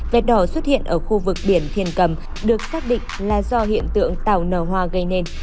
vẹt đỏ xuất hiện ở khu vực biển thiền cầm được xác định là do hiện tượng tàu nở hoa gây nên